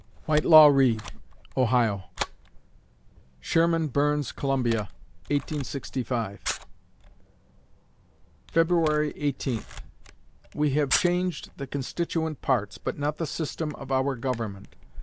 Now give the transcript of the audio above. WHITELAW REID (Ohio) Sherman burns Columbia, 1865 February Eighteenth We have changed the constituent parts, but not the system of our government.